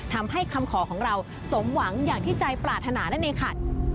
ทำให้คำขอของเราสมหวังอย่างที่ใจปรารถนานั่นเองค่ะ